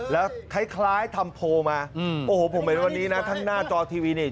แล้วคล้ายทำโพลมาโอ้โหผมเห็นวันนี้นะทั้งหน้าจอทีวีนี่